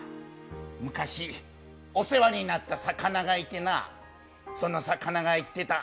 昔、お世話になった魚がいてな、その魚が言ってた。